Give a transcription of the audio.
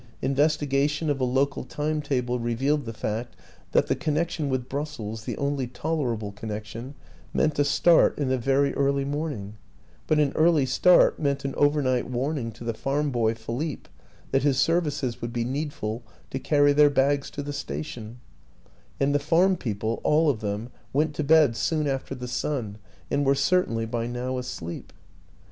Investiga tion of a local time table revealed the fact that the connection with Brussels the only tolerable connection meant a start in the very early morning; but an early start meant an overnight warning to the farm boy, Philippe, that his serv ices would be needful to carry their bags to the station and the farm people, all of them, went to bed soon after the sun and were certainly by now asleep.